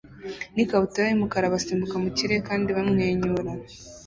n'ikabutura y'umukara basimbuka mu kirere kandi bamwenyura